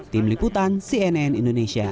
tim liputan cnn indonesia